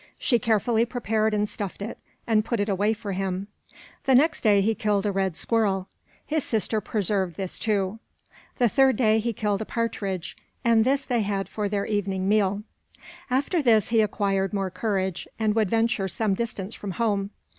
She carefully prepared and stuffed it, and put it away for him. The next day he killed a red squirrel. His sister preserved this, too. The third day he killed a partridge, and this they had for their evening meal. After this he acquired more courage and would venture some distance from home.